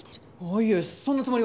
いえそんなつもりは。